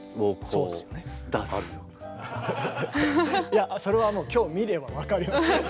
いやそれはもう今日見れば分かります。